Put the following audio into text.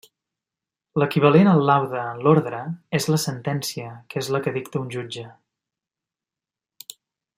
L'equivalent al laude en l'ordre és la sentència, que és la que dicta un jutge.